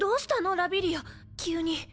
ラビリア急に。